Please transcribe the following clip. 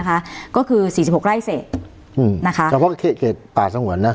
นะคะก็คือสี่สิบหกไร่เสกอืมนะคะแต่พอเขตเกตป่าสงวนนะ